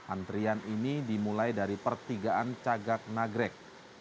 antrian ini dimulai dari pertigaan cagak nagrek